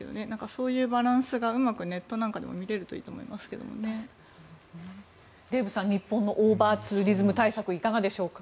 そういうバランスがうまくネットなんかでもデーブさん、日本のオーバーツーリズム対策いかがでしょうか。